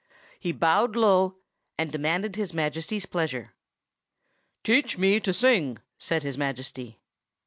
He bowed low, and demanded His Majesty's pleasure. "Teach me to sing!" said His Majesty.